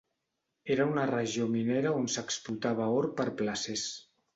Era una regió minera on s'explotava or per placers.